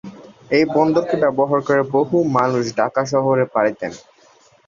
এই বন্দরকে ব্যবহার করে বহু মানুষ ঢাকা শহরে পাড়ি দেন।